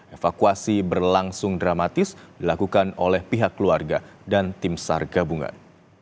evakuasi berlangsung dramatis dilakukan oleh pihak keluarga dan tim sar gabungan